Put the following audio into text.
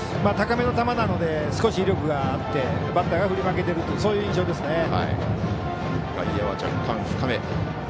高めの球なので少し威力があってバッターが振り負けてるという印象ですね。